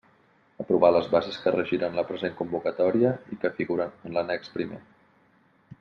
Aprovar les bases que regiran la present convocatòria i que figuren en l'annex I.